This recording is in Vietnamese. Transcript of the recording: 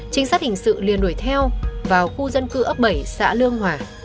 trinh sát hình sự liền đuổi theo vào khu dân cư ấp bảy xã lương hòa